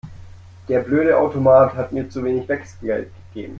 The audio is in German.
Der blöde Automat hat mir zu wenig Wechselgeld gegeben.